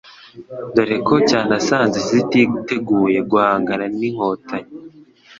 dore ko cyanasanze zititeguye guhangana n'Inkotanyi